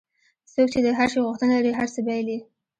څوک چې د هر شي غوښتنه لري هر څه بایلي.